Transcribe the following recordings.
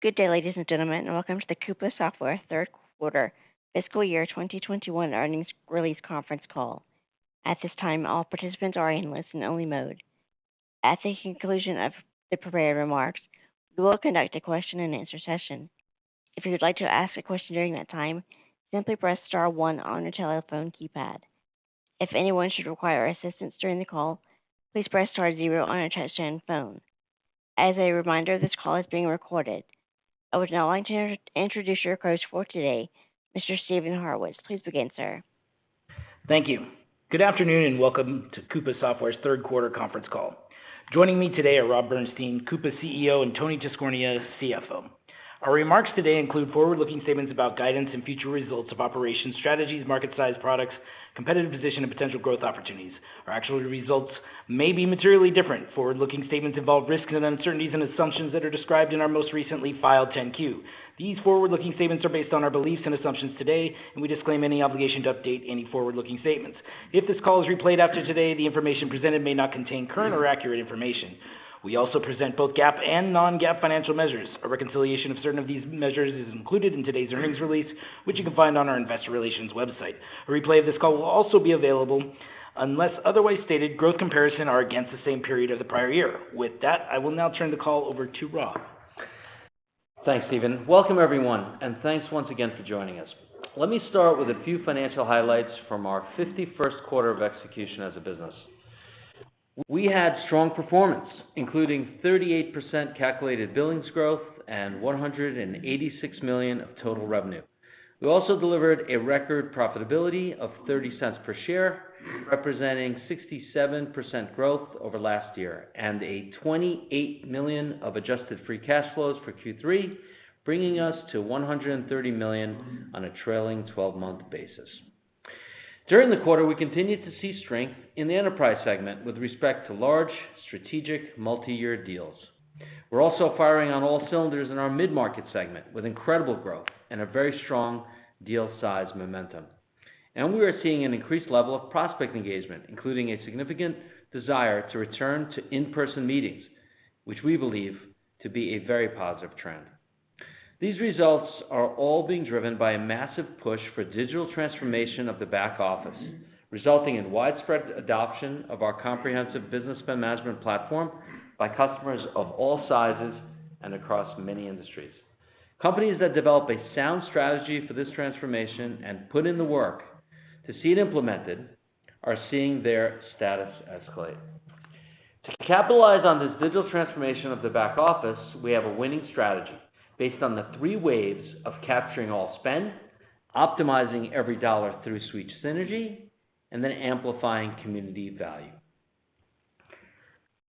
Good day, ladies and gentlemen, and welcome to the Coupa Software third quarter fiscal year 2021 earnings release conference call. At this time, all participants are in listen-only mode. At the conclusion of the prepared remarks, we will conduct a question-and-answer session. If you would like to ask a question during that time, simply press star one on your telephone keypad. If anyone should require assistance during the call, please press star zero on a touch-tone phone. As a reminder, this call is being recorded. I would now like to introduce your host for today, Mr. Steven Horwitz. Please begin, sir. Thank you. Good afternoon, and welcome to Coupa Software's third quarter conference call. Joining me today are Rob Bernshteyn, Coupa CEO, and Tony Tiscornia, CFO. Our remarks today include forward-looking statements about guidance and future results of operations, strategies, market size, products, competitive position, and potential growth opportunities. Our actual results may be materially different. Forward-looking statements involve risks and uncertainties and assumptions that are described in our most recently filed 10-Q. These forward-looking statements are based on our beliefs and assumptions today, and we disclaim any obligation to update any forward-looking statements. If this call is replayed after today, the information presented may not contain current or accurate information. We also present both GAAP and non-GAAP financial measures. A reconciliation of certain of these measures is included in today's earnings release, which you can find on our investor relations website. A replay of this call will also be available. Unless otherwise stated, growth comparisons are against the same period as the prior year. With that, I will now turn the call over to Rob. Thanks, Steven. Welcome, everyone, and thanks once again for joining us. Let me start with a few financial highlights from our 51st quarter of execution as a business. We had strong performance, including 38% calculated billings growth and $186 million of total revenue. We also delivered a record profitability of $0.30 per share, representing 67% growth over last year, and $28 million of adjusted free cash flows for Q3, bringing us to $130 million on a trailing twelve-month basis. During the quarter, we continued to see strength in the enterprise segment with respect to large, strategic multi-year deals. We're also firing on all cylinders in our mid-market segment with incredible growth and a very strong deal size momentum. We are seeing an increased level of prospect engagement, including a significant desire to return to in-person meetings, which we believe to be a very positive trend. These results are all being driven by a massive push for digital transformation of the back office, resulting in widespread adoption of our comprehensive business spend management platform by customers of all sizes and across many industries. Companies that develop a sound strategy for this transformation and put in the work to see it implemented are seeing their status escalate. To capitalize on this digital transformation of the back office, we have a winning strategy based on the three waves of capturing all spend, optimizing every dollar through Suite Synergy, and then amplifying community value.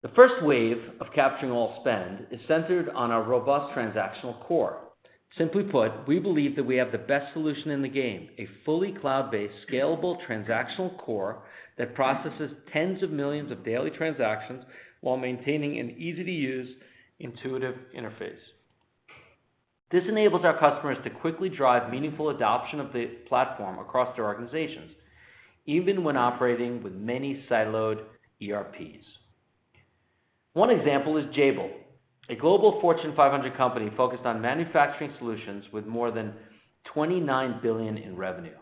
The first wave of capturing all spend is centered on our robust transactional core. Simply put, we believe that we have the best solution in the game, a fully cloud-based scalable transactional core that processes tens of millions of daily transactions while maintaining an easy-to-use, intuitive interface. This enables our customers to quickly drive meaningful adoption of the platform across their organizations, even when operating with many siloed ERPs. One example is Jabil, a global Fortune 500 company focused on manufacturing solutions with more than $29 billion in revenue,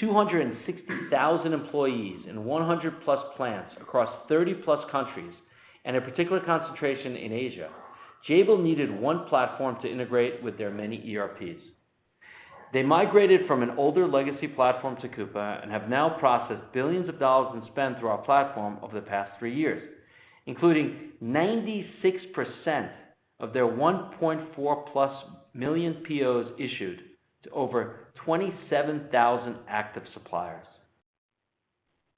260,000 employees in 100+ plants across 30+ countries, and a particular concentration in Asia. Jabil needed one platform to integrate with their many ERPs. They migrated from an older legacy platform to Coupa, and have now processed billions of dollars in spend through our platform over the past three years, including 96% of their 1.4+ million POs issued to over 27,000 active suppliers.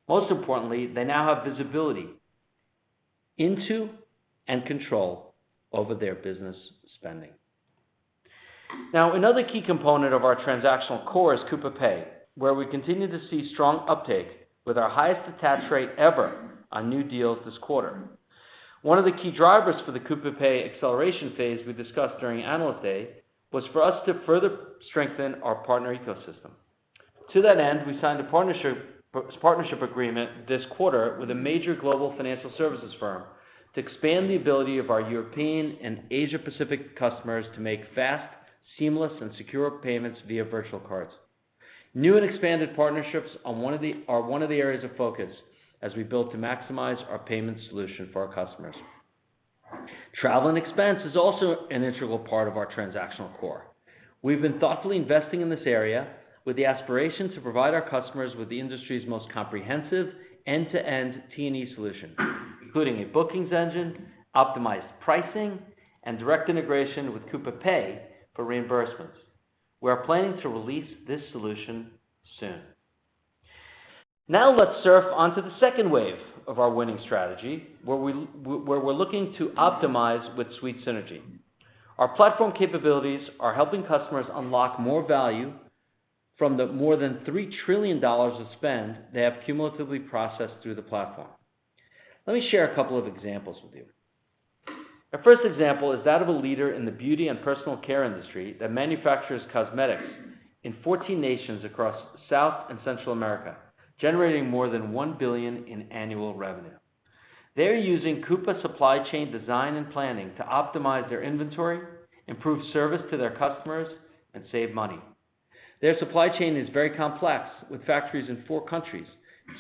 Most importantly, they now have visibility into and control over their business spending. Now, another key component of our transactional core is Coupa Pay, where we continue to see strong uptake with our highest attach rate ever on new deals this quarter. One of the key drivers for the Coupa Pay acceleration phase we discussed during Analyst Day was for us to further strengthen our partner ecosystem. To that end, we signed a partnership agreement this quarter with a major global financial services firm to expand the ability of our European and Asia Pacific customers to make fast, seamless, and secure payments via virtual cards. New and expanded partnerships are one of the areas of focus as we build to maximize our payment solution for our customers. Travel and expense is also an integral part of our transactional core. We've been thoughtfully investing in this area with the aspiration to provide our customers with the industry's most comprehensive end-to-end T&E solution, including a bookings engine, optimized pricing, and direct integration with Coupa Pay for reimbursements. We are planning to release this solution soon. Now, let's surf onto the second wave of our winning strategy, where we're looking to optimize with Suite Synergy. Our platform capabilities are helping customers unlock more value from the more than $3 trillion of spend they have cumulatively processed through the platform. Let me share a couple of examples with you. Our first example is that of a leader in the beauty and personal care industry that manufactures cosmetics in 14 nations across South and Central America, generating more than $1 billion in annual revenue. They're using Coupa Supply Chain Design and Planning to optimize their inventory, improve service to their customers, and save money. Their supply chain is very complex, with factories in four countries,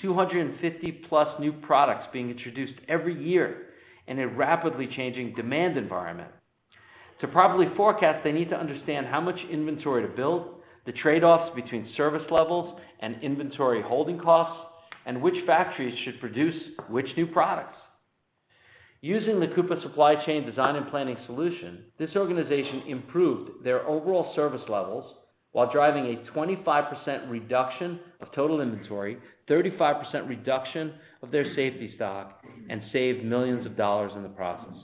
250+ new products being introduced every year in a rapidly changing demand environment. To properly forecast, they need to understand how much inventory to build, the trade-offs between service levels and inventory holding costs, and which factories should produce which new products. Using the Coupa Supply Chain Design and Planning solution, this organization improved their overall service levels while driving a 25% reduction of total inventory, 35% reduction of their safety stock, and saved $millions in the process.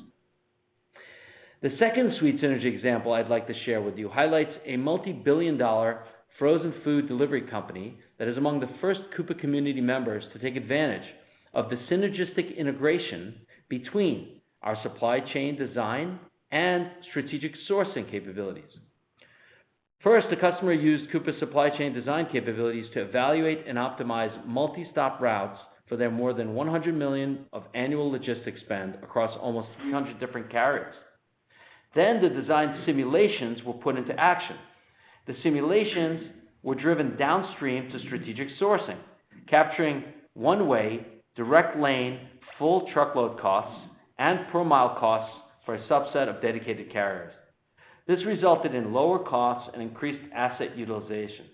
The second Suite Synergy example I'd like to share with you highlights a multi-billion dollar frozen food delivery company that is among the first Coupa community members to take advantage of the synergistic integration between our supply chain design and strategic sourcing capabilities. First, the customer used Coupa Supply Chain Design capabilities to evaluate and optimize multi-stop routes for their more than $100 million of annual logistics spend across almost 300 different carriers. The design simulations were put into action. The simulations were driven downstream to strategic sourcing, capturing one-way, direct lane, full truckload costs and per mile costs for a subset of dedicated carriers. This resulted in lower costs and increased asset utilization.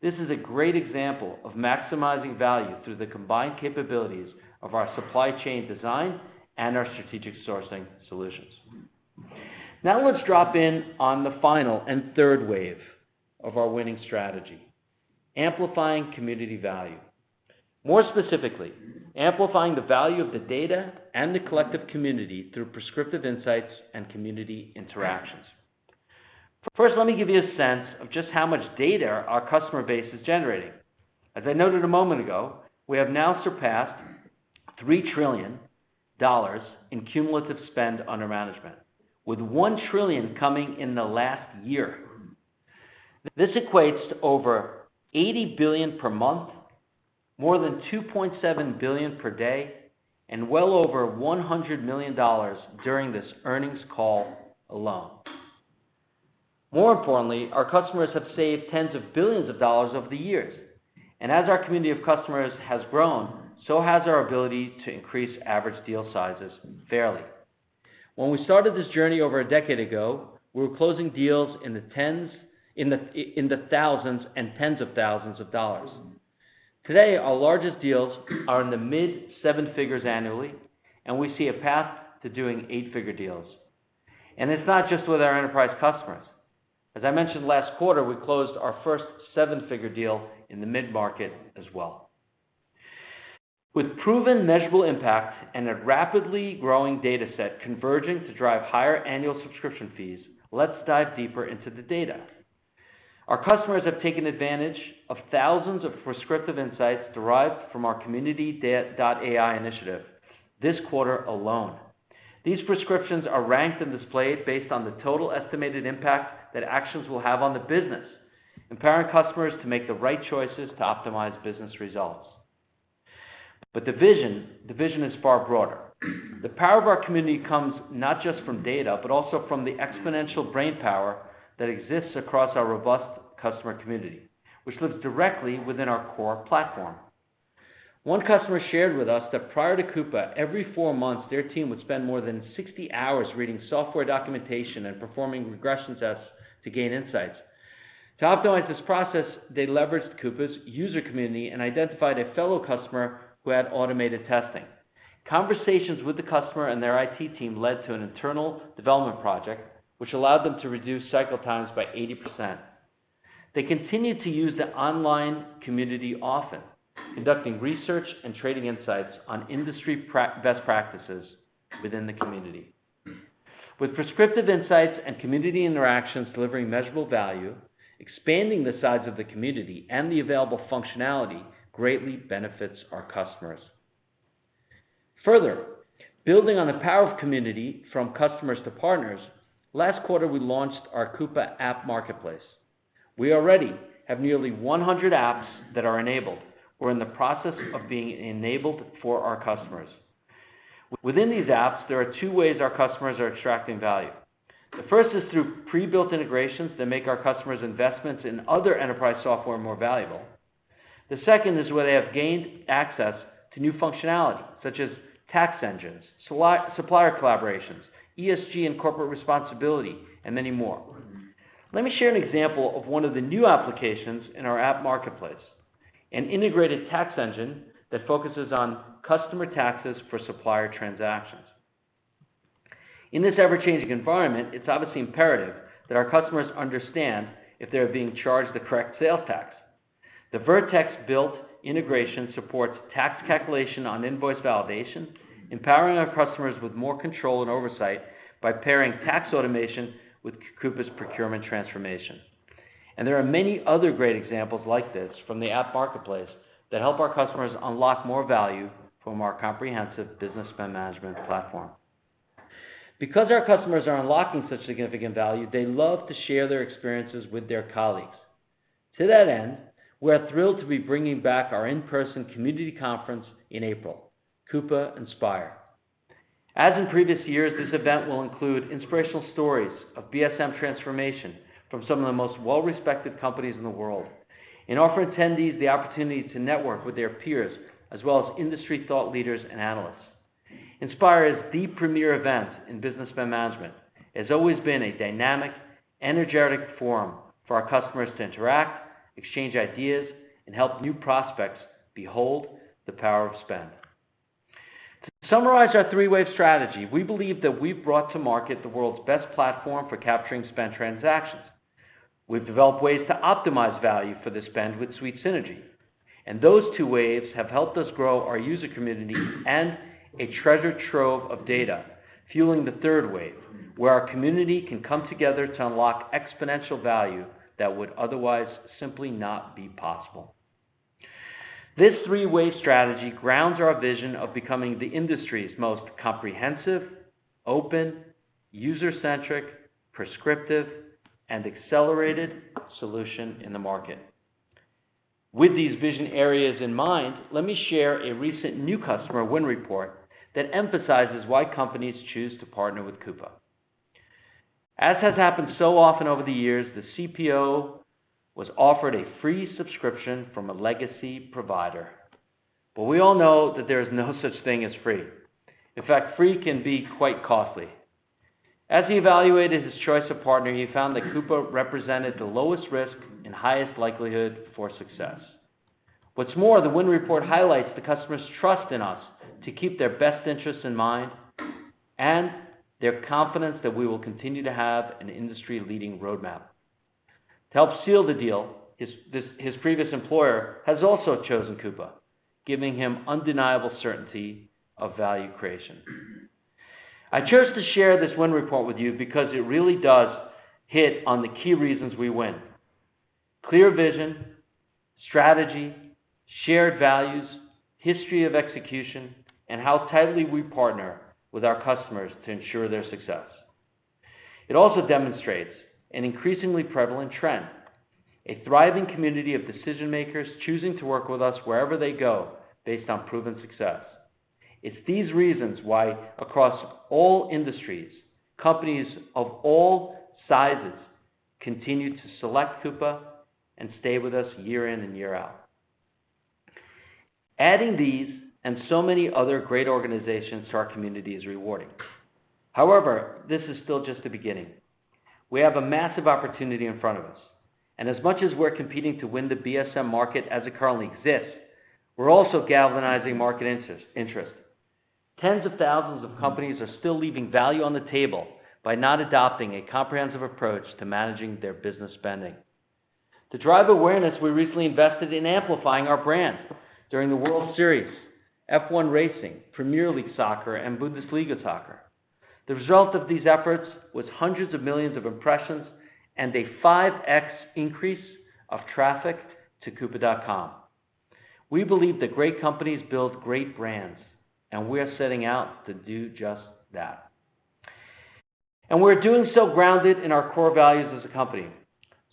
This is a great example of maximizing value through the combined capabilities of our supply chain design and our strategic sourcing solutions. Now, let's drop in on the final and third wave of our winning strategy, amplifying community value. More specifically, amplifying the value of the data and the collective community through prescriptive insights and community interactions. First, let me give you a sense of just how much data our customer base is generating. As I noted a moment ago, we have now surpassed $3 trillion in cumulative spend under management, with $1 trillion coming in the last year. This equates to over $80 billion per month, more than $2.7 billion per day, and well over $100 million during this earnings call alone. More importantly, our customers have saved tens of billions of dollars over the years. As our community of customers has grown, so has our ability to increase average deal sizes fairly. When we started this journey over a decade ago, we were closing deals in the thousands and tens of thousands of dollars. Today, our largest deals are in the mid-seven figures annually, and we see a path to doing eight-figure deals. It's not just with our enterprise customers. As I mentioned last quarter, we closed our first seven-figure deal in the mid-market as well. With proven measurable impact and a rapidly growing data set converging to drive higher annual subscription fees, let's dive deeper into the data. Our customers have taken advantage of thousands of prescriptive insights derived from our Community.ai initiative this quarter alone. These prescriptions are ranked and displayed based on the total estimated impact that actions will have on the business, empowering customers to make the right choices to optimize business results. The vision is far broader. The power of our community comes not just from data, but also from the exponential brainpower that exists across our robust customer community, which lives directly within our core platform. One customer shared with us that prior to Coupa, every four months, their team would spend more than 60 hours reading software documentation and performing regression tests to gain insights. To optimize this process, they leveraged Coupa's user community and identified a fellow customer who had automated testing. Conversations with the customer and their IT team led to an internal development project, which allowed them to reduce cycle times by 80%. They continued to use the online community often, conducting research and trading insights on industry best practices within the community. With prescriptive insights and community interactions delivering measurable value, expanding the size of the community and the available functionality greatly benefits our customers. Further, building on the power of community from customers to partners, last quarter, we launched our Coupa App Marketplace. We already have nearly 100 apps that are enabled or in the process of being enabled for our customers. Within these apps, there are two ways our customers are extracting value. The first is through pre-built integrations that make our customers' investments in other enterprise software more valuable. The second is where they have gained access to new functionality such as tax engines, supplier collaborations, ESG and corporate responsibility, and many more. Let me share an example of one of the new applications in our app marketplace, an integrated tax engine that focuses on customer taxes for supplier transactions. In this ever-changing environment, it's obviously imperative that our customers understand if they are being charged the correct sales tax. The Vertex built integration supports tax calculation on invoice validation, empowering our customers with more control and oversight by pairing tax automation with Coupa's procurement transformation. There are many other great examples like this from the App Marketplace that help our customers unlock more value from our comprehensive business spend management platform. Because our customers are unlocking such significant value, they love to share their experiences with their colleagues. To that end, we're thrilled to be bringing back our in-person community conference in April, Coupa Inspire. As in previous years, this event will include inspirational stories of BSM transformation from some of the most well-respected companies in the world, and offer attendees the opportunity to network with their peers, as well as industry thought leaders and analysts. Inspire is the premier event in business spend management. It has always been a dynamic, energetic forum for our customers to interact, exchange ideas, and help new prospects behold the power of spend. To summarize our three-wave strategy, we believe that we've brought to market the world's best platform for capturing spend transactions. We've developed ways to optimize value for the spend with Suite Synergy. Those two waves have helped us grow our user community and a treasure trove of data, fueling the third wave, where our community can come together to unlock exponential value that would otherwise simply not be possible. This three-wave strategy grounds our vision of becoming the industry's most comprehensive, open, user-centric, prescriptive, and accelerated solution in the market. With these vision areas in mind, let me share a recent new customer win report that emphasizes why companies choose to partner with Coupa. As has happened so often over the years, the CPO was offered a free subscription from a legacy provider. We all know that there is no such thing as free. In fact, free can be quite costly. As he evaluated his choice of partner, he found that Coupa represented the lowest risk and highest likelihood for success. What's more, the win report highlights the customer's trust in us to keep their best interests in mind and their confidence that we will continue to have an industry-leading roadmap. To help seal the deal, his previous employer has also chosen Coupa, giving him undeniable certainty of value creation. I chose to share this win report with you because it really does hit on the key reasons we win. Clear vision, strategy, shared values, history of execution, and how tightly we partner with our customers to ensure their success. It also demonstrates an increasingly prevalent trend, a thriving community of decision-makers choosing to work with us wherever they go based on proven success. It's these reasons why across all industries, companies of all sizes continue to select Coupa and stay with us year in and year out. Adding these and so many other great organizations to our community is rewarding. However, this is still just the beginning. We have a massive opportunity in front of us, and as much as we're competing to win the BSM market as it currently exists, we're also galvanizing market interest. Tens of thousands of companies are still leaving value on the table by not adopting a comprehensive approach to managing their business spending. To drive awareness, we recently invested in amplifying our brand during the World Series, F1 Racing, Premier League Soccer, and Bundesliga Soccer. The result of these efforts was hundreds of millions of impressions and a 5x increase of traffic to coupa.com. We believe that great companies build great brands, and we're setting out to do just that. We're doing so grounded in our core values as a company.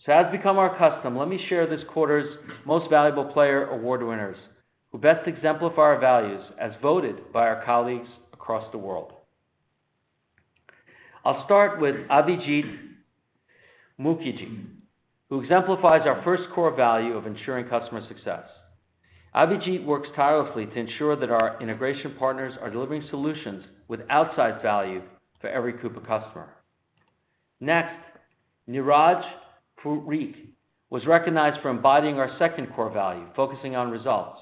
As has become our custom, let me share this quarter's Most Valuable Player award winners who best exemplify our values as voted by our colleagues across the world. I'll start with Abhijeet Mukherjee, who exemplifies our first core value of ensuring customer success. Abhijeet works tirelessly to ensure that our integration partners are delivering solutions with outsized value for every Coupa customer. Next, Neeraj Puri was recognized for embodying our second core value, focusing on results.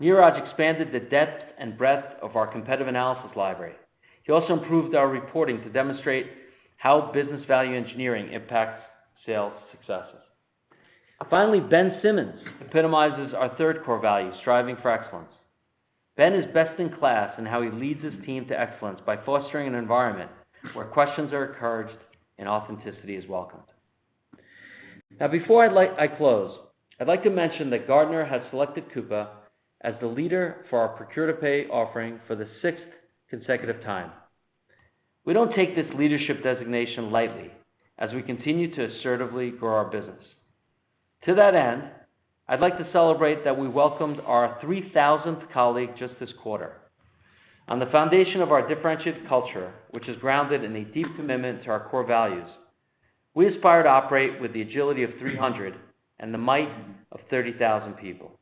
Neeraj expanded the depth and breadth of our competitive analysis library. He also improved our reporting to demonstrate how business value engineering impacts sales successes. Finally, Ben Simmons epitomizes our third core value, striving for excellence. Ben is best in class in how he leads his team to excellence by fostering an environment where questions are encouraged and authenticity is welcomed. Now, before I close, I'd like to mention that Gartner has selected Coupa as the leader for our procure-to-pay offering for the sixth consecutive time. We don't take this leadership designation lightly as we continue to assertively grow our business. To that end, I'd like to celebrate that we welcomed our 3,000th colleague just this quarter. On the foundation of our differentiated culture, which is grounded in a deep commitment to our core values, we aspire to operate with the agility of 300 and the might of 30,000 people.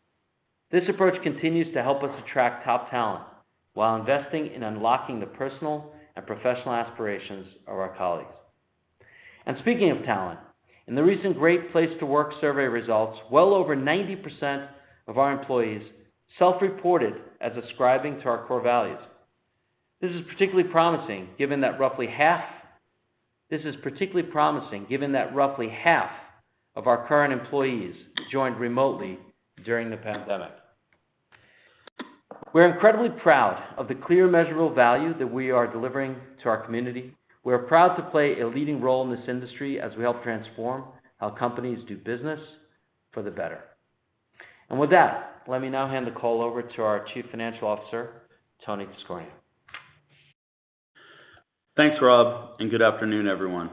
This approach continues to help us attract top talent while investing in unlocking the personal and professional aspirations of our colleagues. Speaking of talent, in the recent Great Place to Work survey results, well over 90% of our employees self-reported as ascribing to our core values. This is particularly promising, given that roughly half of our current employees joined remotely during the pandemic. We're incredibly proud of the clear, measurable value that we are delivering to our community. We're proud to play a leading role in this industry as we help transform how companies do business for the better. With that, let me now hand the call over to our Chief Financial Officer, Tony Tiscornia. Thanks, Rob, and good afternoon, everyone.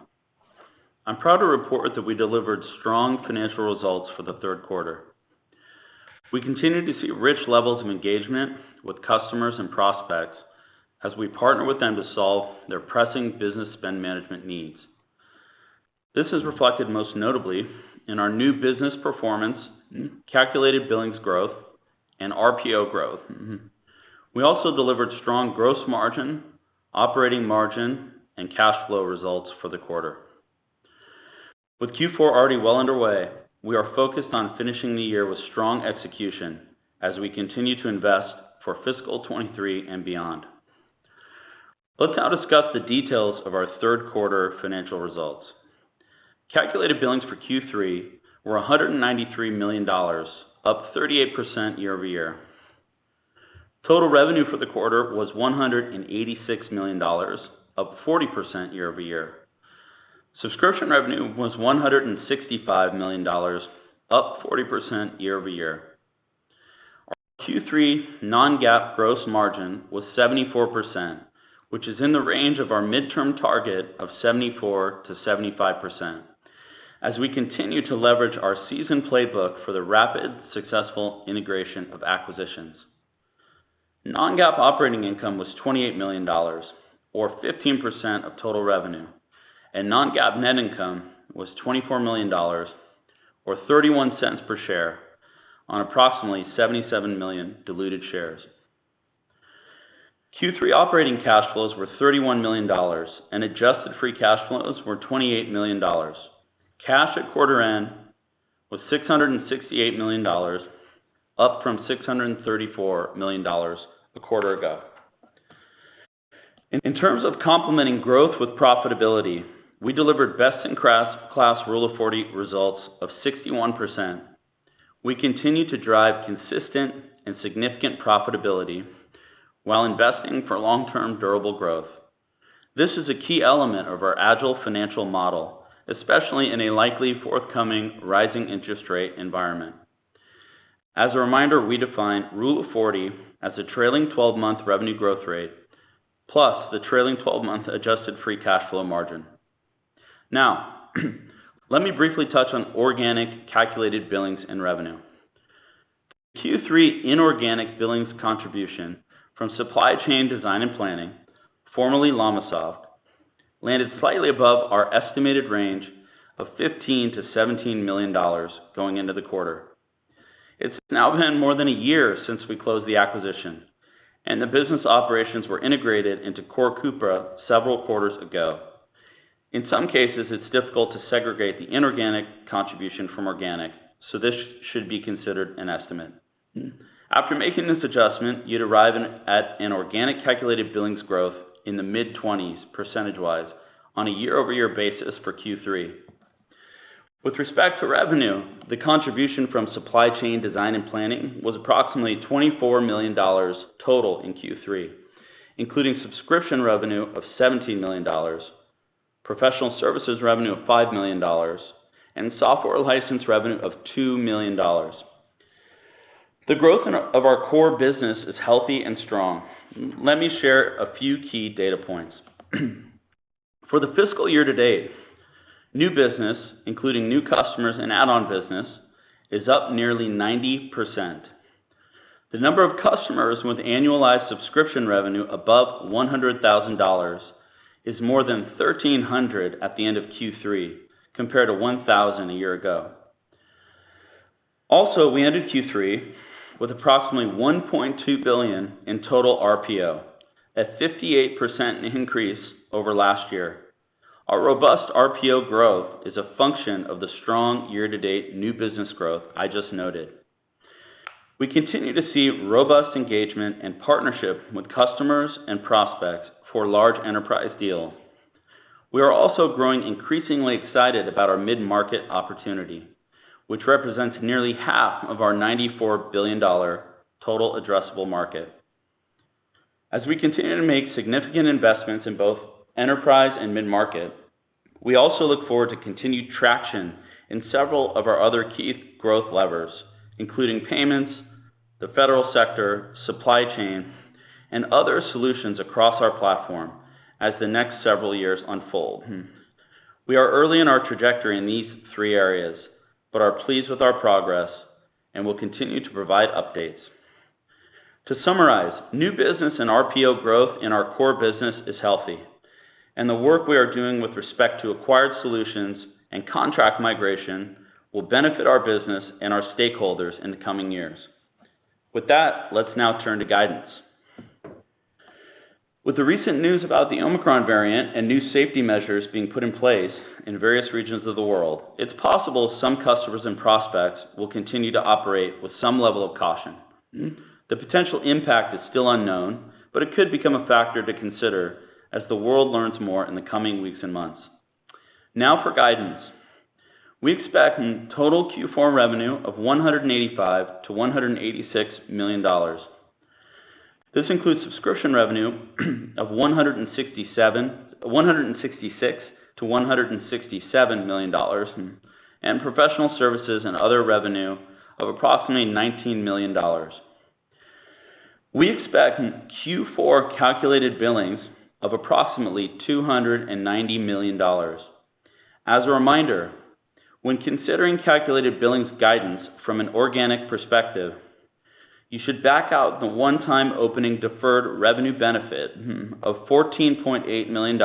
I'm proud to report that we delivered strong financial results for the third quarter. We continue to see rich levels of engagement with customers and prospects as we partner with them to solve their pressing business spend management needs. This is reflected most notably in our new business performance, calculated billings growth, and RPO growth. We also delivered strong gross margin, operating margin, and cash flow results for the quarter. With Q4 already well underway, we are focused on finishing the year with strong execution as we continue to invest for fiscal 2023 and beyond. Let's now discuss the details of our third quarter financial results. Calculated billings for Q3 were $193 million, up 38% year-over-year. Total revenue for the quarter was $186 million, up 40% year-over-year. Subscription revenue was $165 million, up 40% year-over-year. Our Q3 non-GAAP gross margin was 74%, which is in the range of our midterm target of 74%-75% as we continue to leverage our seasoned playbook for the rapid, successful integration of acquisitions. Non-GAAP operating income was $28 million, or 15% of total revenue, and non-GAAP net income was $24 million or $0.31 per share on approximately 77 million diluted shares. Q3 operating cash flows were $31 million, and adjusted free cash flows were $28 million. Cash at quarter end was $668 million, up from $634 million a quarter ago. In terms of complementing growth with profitability, we delivered best-in-class classic Rule of 40 results of 61%. We continue to drive consistent and significant profitability while investing for long-term durable growth. This is a key element of our agile financial model, especially in a likely forthcoming rising interest rate environment. As a reminder, we define Rule of 40 as a trailing twelve-month revenue growth rate, plus the trailing twelve-month adjusted free cash flow margin. Now, let me briefly touch on organic calculated billings and revenue. Q3 inorganic billings contribution from supply chain design and planning, formerly LLamasoft, landed slightly above our estimated range of $15 million-$17 million going into the quarter. It's now been more than a year since we closed the acquisition, and the business operations were integrated into Core Coupa several quarters ago. In some cases, it's difficult to segregate the inorganic contribution from organic, so this should be considered an estimate. After making this adjustment, you'd arrive at an organic calculated billings growth in the mid-20s% on a year-over-year basis for Q3. With respect to revenue, the contribution from supply chain design and planning was approximately $24 million total in Q3, including subscription revenue of $17 million, professional services revenue of $5 million, and software license revenue of $2 million. The growth of our core business is healthy and strong. Let me share a few key data points. For the fiscal year to date, new business, including new customers and add-on business, is up nearly 90%. The number of customers with annualized subscription revenue above $100,000 is more than 1,300 at the end of Q3, compared to 1,000 a year ago. Also, we ended Q3 with approximately $1.2 billion in total RPO at 58% increase over last year. Our robust RPO growth is a function of the strong year-to-date new business growth I just noted. We continue to see robust engagement and partnership with customers and prospects for large enterprise deals. We are also growing increasingly excited about our mid-market opportunity, which represents nearly half of our $94 billion total addressable market. As we continue to make significant investments in both enterprise and mid-market, we also look forward to continued traction in several of our other key growth levers, including payments, the federal sector, supply chain, and other solutions across our platform as the next several years unfold. We are early in our trajectory in these three areas, but are pleased with our progress and will continue to provide updates. To summarize, new business and RPO growth in our core business is healthy, and the work we are doing with respect to acquired solutions and contract migration will benefit our business and our stakeholders in the coming years. With that, let's now turn to guidance. With the recent news about the Omicron variant and new safety measures being put in place in various regions of the world, it's possible some customers and prospects will continue to operate with some level of caution. The potential impact is still unknown, but it could become a factor to consider as the world learns more in the coming weeks and months. Now for guidance. We expect total Q4 revenue of $185 million-$186 million. This includes subscription revenue of $166 million-$167 million, and professional services and other revenue of approximately $19 million. We expect Q4 calculated billings of approximately $290 million. As a reminder, when considering calculated billings guidance from an organic perspective, you should back out the one-time opening deferred revenue benefit of $14.8 million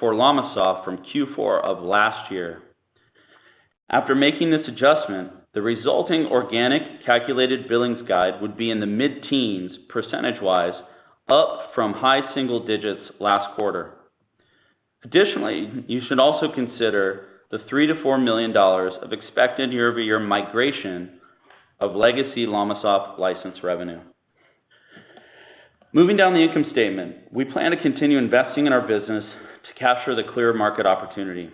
for LLamasoft from Q4 of last year. After making this adjustment, the resulting organic calculated billings guide would be in the mid-teens percentage-wise, up from high single digits last quarter. Additionally, you should also consider the $3 million-$4 million of expected year-over-year migration of legacy LLamasoft license revenue. Moving down the income statement, we plan to continue investing in our business to capture the clear market opportunity.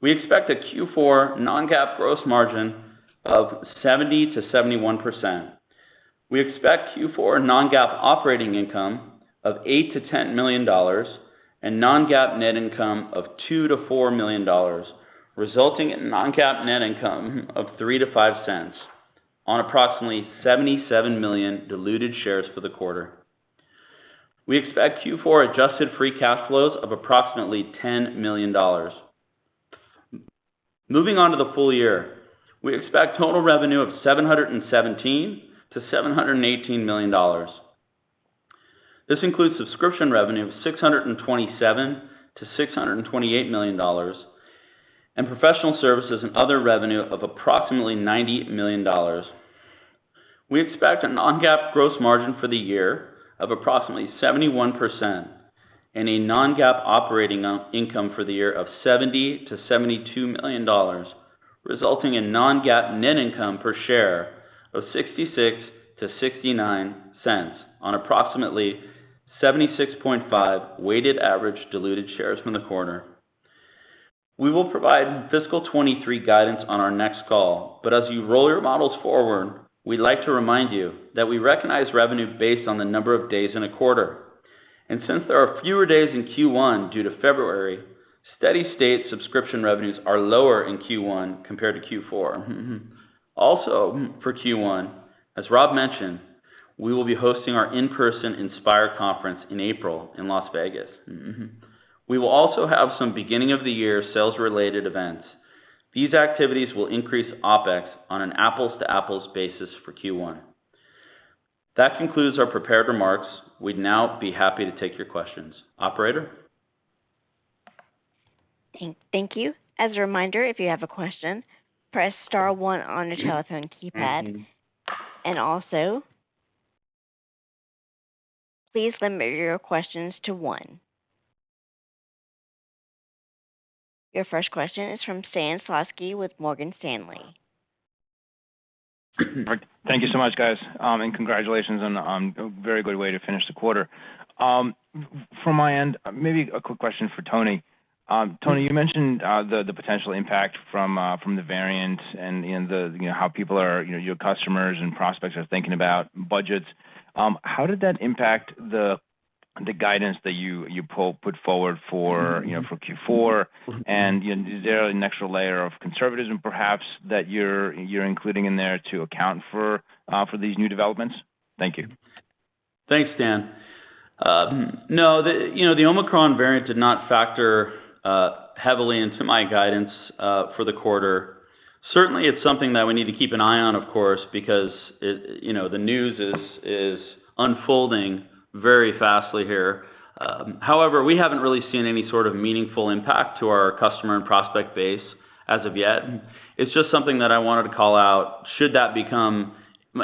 We expect a Q4 non-GAAP gross margin of 70%-71%. We expect Q4 non-GAAP operating income of $8 million-$10 million and non-GAAP net income of $2 million-$4 million, resulting in non-GAAP net income of $0.03-$0.05 on approximately 77 million diluted shares for the quarter. We expect Q4 adjusted free cash flows of approximately $10 million. Moving on to the full year. We expect total revenue of $717 million-$718 million. This includes subscription revenue of $627 million-$628 million and professional services and other revenue of approximately $90 million. We expect a non-GAAP gross margin for the year of approximately 71% and a non-GAAP operating income for the year of $70 million-$72 million, resulting in non-GAAP net income per share of $0.66-$0.69 on approximately 76.5 weighted average diluted shares from the quarter. We will provide fiscal 2023 guidance on our next call. As you roll your models forward, we'd like to remind you that we recognize revenue based on the number of days in a quarter. Since there are fewer days in Q1 due to February, steady-state subscription revenues are lower in Q1 compared to Q4. Also for Q1, as Rob mentioned, we will be hosting our in-person Inspire conference in April in Las Vegas. We will also have some beginning of the year sales-related events. These activities will increase OpEx on an apples-to-apples basis for Q1. That concludes our prepared remarks. We'd now be happy to take your questions. Operator? Thank you. As a reminder, if you have a question, press star one on your telephone keypad. Also please limit your questions to one. Your first question is from Stan Zlotsky with Morgan Stanley. Thank you so much, guys, and congratulations on a very good way to finish the quarter. From my end, maybe a quick question for Tony. Tony, you mentioned the potential impact from the variant and, you know, how people are, you know, your customers and prospects are thinking about budgets. How did that impact the guidance that you put forward for, you know, for Q4? You know, is there an extra layer of conservatism perhaps that you're including in there to account for these new developments? Thank you. Thanks, Stan. No, you know, the Omicron variant did not factor heavily into my guidance for the quarter. Certainly, it's something that we need to keep an eye on, of course, because you know, the news is unfolding very fast here. However, we haven't really seen any sort of meaningful impact to our customer and prospect base as of yet. It's just something that I wanted to call out should that become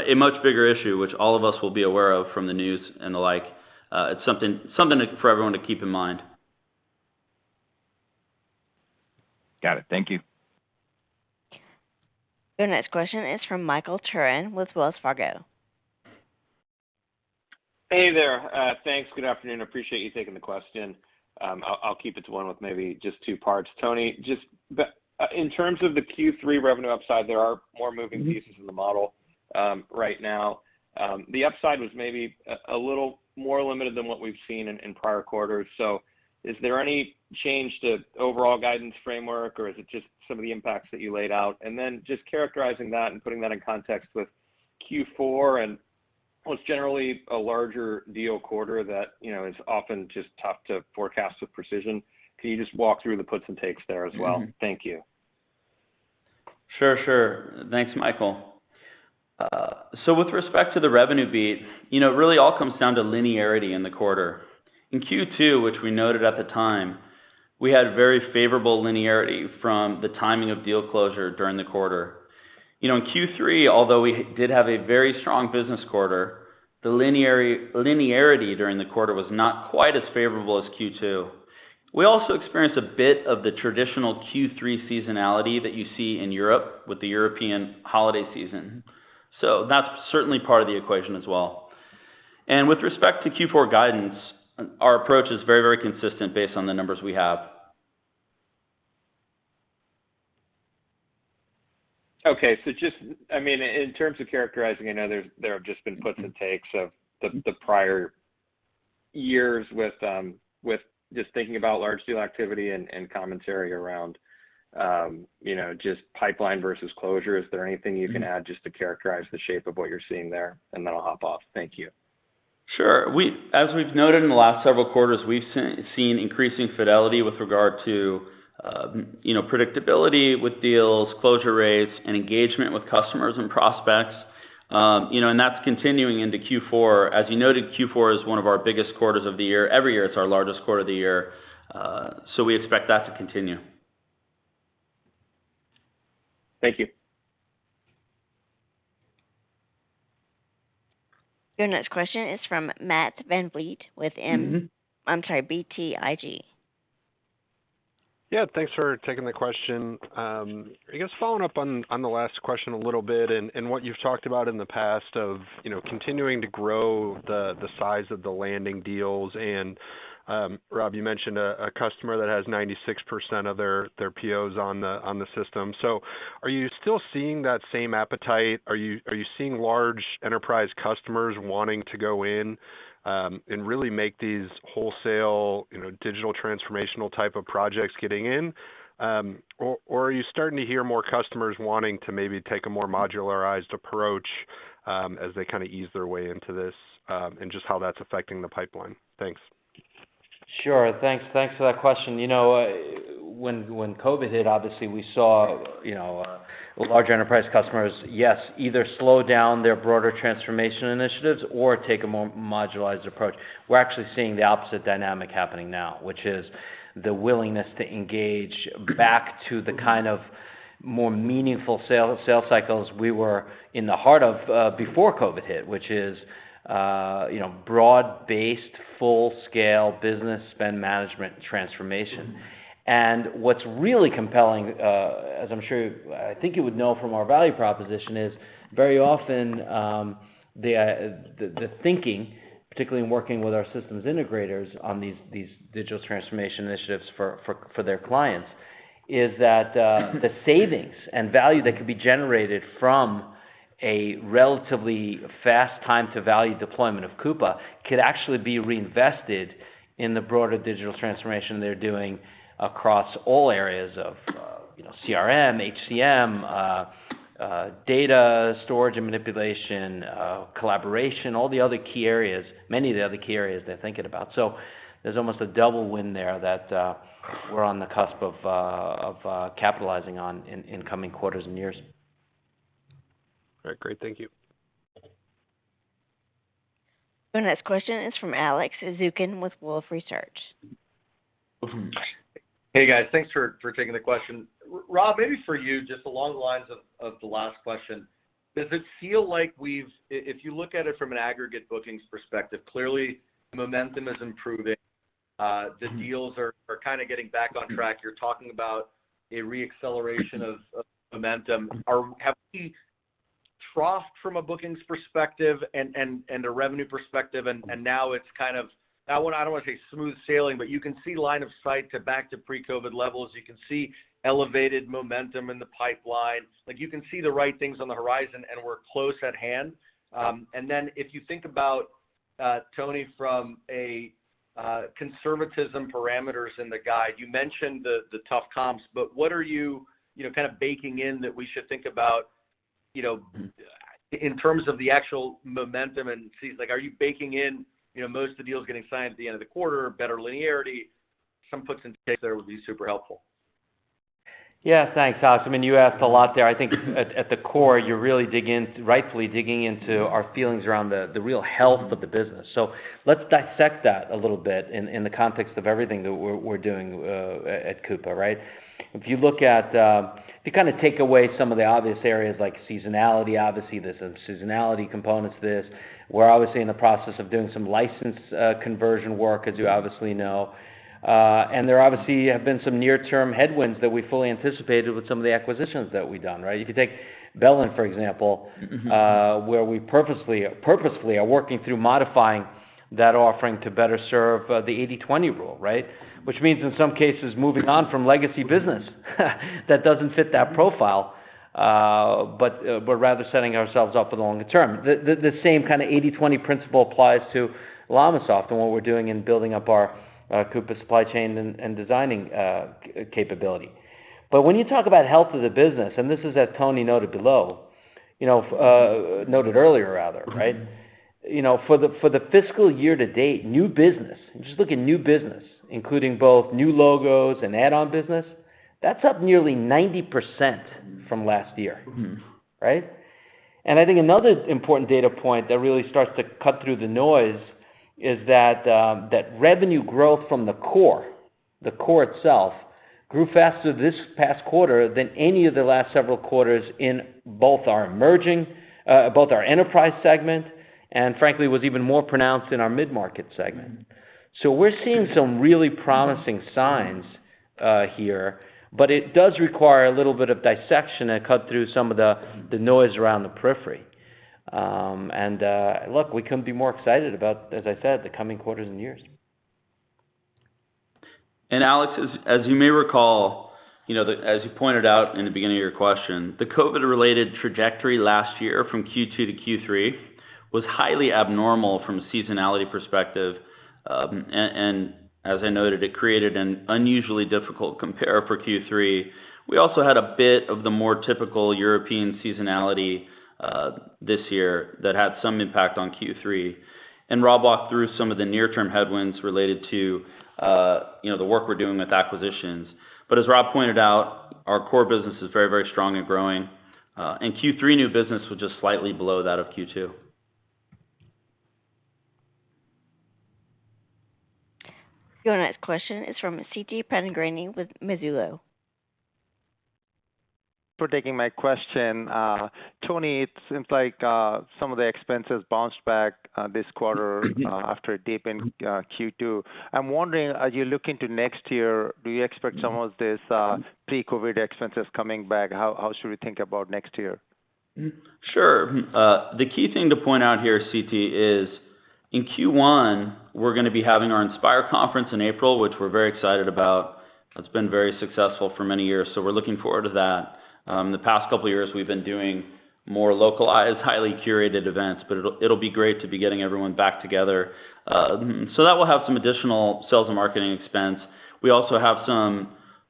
a much bigger issue, which all of us will be aware of from the news and the like. It's something for everyone to keep in mind. Got it. Thank you. Your next question is from Michael Turrin with Wells Fargo. Hey there. Thanks. Good afternoon. Appreciate you taking the question. I'll keep it to one with maybe just two parts. Tony, just in terms of the Q3 revenue upside, there are more moving pieces in the model right now. The upside was maybe a little more limited than what we've seen in prior quarters. Is there any change to overall guidance framework, or is it just some of the impacts that you laid out? Just characterizing that and putting that in context with Q4 and what's generally a larger deal quarter that you know is often just tough to forecast with precision. Can you just walk through the puts and takes there as well? Mm-hmm. Thank you. Sure, sure. Thanks, Michael. With respect to the revenue beat, you know, it really all comes down to linearity in the quarter. In Q2, which we noted at the time, we had very favorable linearity from the timing of deal closure during the quarter. You know, in Q3, although we did have a very strong business quarter, the linearity during the quarter was not quite as favorable as Q2. We also experienced a bit of the traditional Q3 seasonality that you see in Europe with the European holiday season. That's certainly part of the equation as well. With respect to Q4 guidance, our approach is very, very consistent based on the numbers we have. Okay. Just, I mean, in terms of characterizing, I know there have just been puts and takes of the prior years with just thinking about large deal activity and commentary around, you know, just pipeline versus closure. Is there anything you can add just to characterize the shape of what you're seeing there? Then I'll hop off. Thank you. Sure. As we've noted in the last several quarters, we've seen increasing fidelity with regard to, you know, predictability with deals, closure rates, and engagement with customers and prospects. You know, and that's continuing into Q4. As you noted, Q4 is one of our biggest quarters of the year. Every year, it's our largest quarter of the year, so we expect that to continue. Thank you. Your next question is from Matt VanVliet with M- Mm-hmm. I'm sorry, BTIG. Yeah. Thanks for taking the question. I guess following up on the last question a little bit and what you've talked about in the past of you know continuing to grow the size of the landing deals. Rob, you mentioned a customer that has 96% of their POs on the system. So are you still seeing that same appetite? Are you seeing large enterprise customers wanting to go in and really make these wholesale you know digital transformational type of projects getting in? Or are you starting to hear more customers wanting to maybe take a more modularized approach as they kinda ease their way into this and just how that's affecting the pipeline? Thanks. Sure. Thanks for that question. You know, when COVID hit, obviously, we saw, you know, large enterprise customers, yes, either slow down their broader transformation initiatives or take a more modularized approach. We're actually seeing the opposite dynamic happening now, which is the willingness to engage back to the kind of more meaningful sale cycles we were in the heart of, before COVID hit, which is, you know, broad-based, full-scale business spend management transformation. What's really compelling, as I'm sure, I think you would know from our value proposition, is very often the thinking, particularly in working with our systems integrators on these digital transformation initiatives for their clients, is that the savings and value that could be generated from a relatively fast time-to-value deployment of Coupa could actually be reinvested in the broader digital transformation they're doing across all areas of, you know, CRM, HCM, data storage and manipulation, collaboration, all the other key areas, many of the other key areas they're thinking about. There's almost a double win there that we're on the cusp of capitalizing on in coming quarters and years. All right. Great. Thank you. The next question is from Alex Zukin with Wolfe Research. Hey, guys. Thanks for taking the question. Rob, maybe for you, just along the lines of the last question, does it feel like, if you look at it from an aggregate bookings perspective, clearly the momentum is improving. The deals are kinda getting back on track. You're talking about a re-acceleration of momentum. Have we troughed from a bookings perspective and a revenue perspective, and now it's kind of. I don't wanna say smooth sailing, but you can see line of sight back to pre-COVID levels. You can see elevated momentum in the pipeline. Like, you can see the right things on the horizon, and we're close at hand. If you think about, Tony, from a conservative parameters in the guide, you mentioned the tough comps, but what are you know, kind of baking in that we should think about, you know, in terms of the actual momentum? See, like, are you baking in, you know, most of the deals getting signed at the end of the quarter, better linearity? Some puts and takes there would be super helpful. Yeah. Thanks, Alex. I mean, you asked a lot there. I think at the core, you're really rightfully digging into our feelings around the real health of the business. Let's dissect that a little bit in the context of everything that we're doing at Coupa, right? If you look at, if you kinda take away some of the obvious areas like seasonality, obviously, there's some seasonality components to this. We're obviously in the process of doing some license conversion work, as you obviously know. There obviously have been some near-term headwinds that we fully anticipated with some of the acquisitions that we've done, right? You could take BELLIN, for example. Mm-hmm where we purposely are working through modifying that offering to better serve the 80/20 rule, right? Which means, in some cases, moving on from legacy business that doesn't fit that profile, but rather setting ourselves up for the longer term. The same kinda 80/20 principle applies to LLamasoft and what we're doing in building up our Coupa supply chain and designing capability. When you talk about health of the business, and this is as Tony noted earlier rather, right? You know, for the fiscal year to date, new business, just looking at new business, including both new logos and add-on business, that's up nearly 90% from last year. Mm-hmm. Right? I think another important data point that really starts to cut through the noise is that revenue growth from the core itself grew faster this past quarter than any of the last several quarters in both our enterprise segment and, frankly, was even more pronounced in our mid-market segment. We're seeing some really promising signs here, but it does require a little bit of dissection to cut through some of the noise around the periphery. Look, we couldn't be more excited about, as I said, the coming quarters and years. Alex, as you may recall, you know, as you pointed out in the beginning of your question, the COVID-related trajectory last year from Q2 to Q3 was highly abnormal from a seasonality perspective. As I noted, it created an unusually difficult compare for Q3. We also had a bit of the more typical European seasonality this year that had some impact on Q3. Rob walked through some of the near-term headwinds related to, you know, the work we're doing with acquisitions. As Rob pointed out, our core business is very, very strong and growing. Q3 new business was just slightly below that of Q2. Your next question is from Siti Panigrahi with Mizuho. ...For taking my question. Tony, it seems like some of the expenses bounced back this quarter after a dip in Q2. I'm wondering, as you look into next year, do you expect some of this pre-COVID expenses coming back? How should we think about next year? Sure. The key thing to point out here, Siti, is in Q1, we're gonna be having our Inspire conference in April, which we're very excited about. It's been very successful for many years, so we're looking forward to that. The past couple of years, we've been doing more localized, highly curated events, but it'll be great to be getting everyone back together. So that will have some additional sales and marketing expense. We also have some,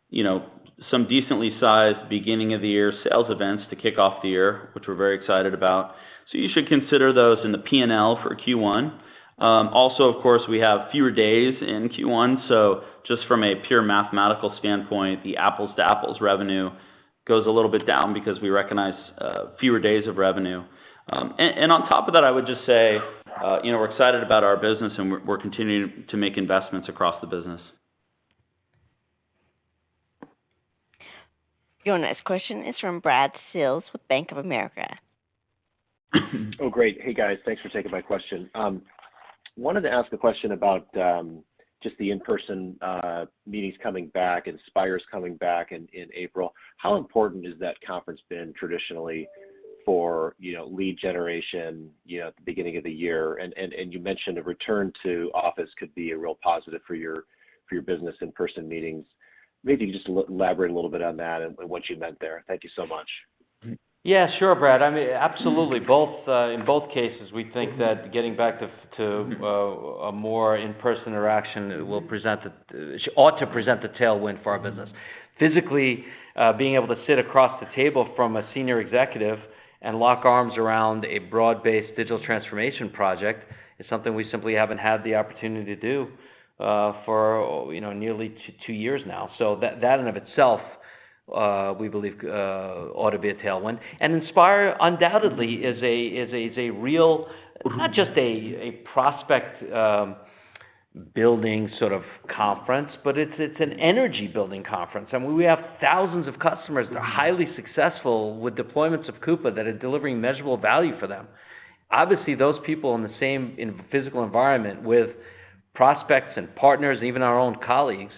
you know, some decently sized beginning of the year sales events to kick off the year, which we're very excited about. So you should consider those in the P&L for Q1. Also, of course, we have fewer days in Q1, so just from a pure mathematical standpoint, the apples to apples revenue goes a little bit down because we recognize fewer days of revenue. On top of that, I would just say, you know, we're excited about our business and we're continuing to make investments across the business. Your next question is from Brad Sills with Bank of America. Oh, great. Hey, guys. Thanks for taking my question. Wanted to ask a question about just the in-person meetings coming back, Inspire's coming back in April. How important has that conference been traditionally for, you know, lead generation, you know, at the beginning of the year? You mentioned a return to office could be a real positive for your business in-person meetings. Maybe you can just elaborate a little bit on that and what you meant there. Thank you so much. Yeah, sure, Brad. I mean, absolutely, both, in both cases, we think that getting back to a more in-person interaction ought to present a tailwind for our business. Physically, being able to sit across the table from a senior executive and lock arms around a broad-based digital transformation project is something we simply haven't had the opportunity to do for you know nearly two years now. So that in and of itself we believe ought to be a tailwind. Inspire undoubtedly is a real, not just a prospect building sort of conference, but it's an energy-building conference. I mean, we have thousands of customers that are highly successful with deployments of Coupa that are delivering measurable value for them. Obviously, those people in the same physical environment with prospects and partners, even our own colleagues,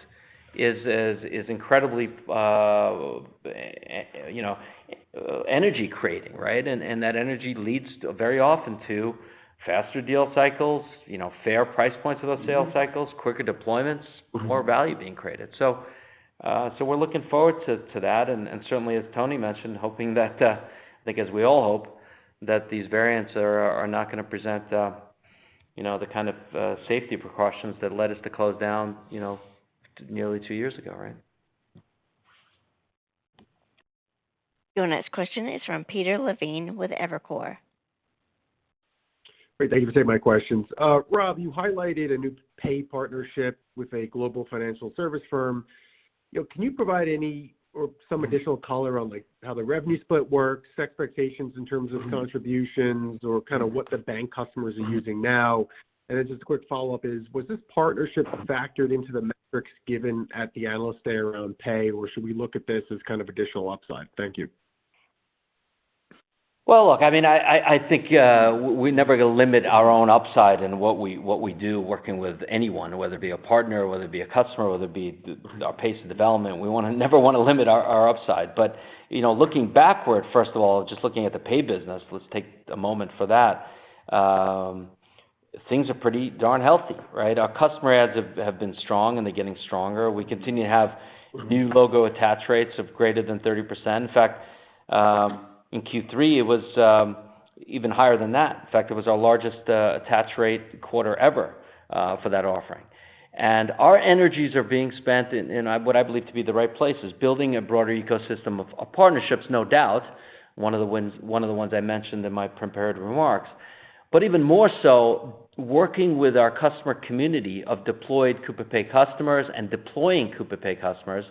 is incredibly, you know, energy creating, right? That energy leads very often to faster deal cycles, you know, fair price points of those sales cycles, quicker deployments, more value being created. We're looking forward to that. Certainly, as Tony mentioned, hoping that, I think as we all hope, that these variants are not gonna present, you know, the kind of safety precautions that led us to close down, you know, nearly two years ago, right? Your next question is from Peter Levine with Evercore. Great. Thank you for taking my questions. Rob, you highlighted a new pay partnership with a global financial service firm. You know, can you provide any or some additional color on, like, how the revenue split works, expectations in terms of contributions, or kind of what the bank customers are using now? Just a quick follow-up is, was this partnership factored into the metrics given at the Analyst Day around pay, or should we look at this as kind of additional upside? Thank you. Well, look, I mean, I think we're never gonna limit our own upside in what we do working with anyone, whether it be a partner, whether it be a customer, whether it be our pace of development. We never wanna limit our upside. You know, looking backward, first of all, just looking at the pay business, let's take a moment for that. Things are pretty darn healthy, right? Our customer adds have been strong, and they're getting stronger. We continue to have new logo attach rates of greater than 30%. In fact, in Q3, it was even higher than that. In fact, it was our largest attach rate quarter ever for that offering. Our energies are being spent in what I believe to be the right places, building a broader ecosystem of partnerships, no doubt, one of the ones I mentioned in my prepared remarks. Even more so, working with our customer community of deployed Coupa Pay customers and deploying Coupa Pay customers